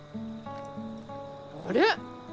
あれ！？